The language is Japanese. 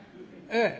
ええ。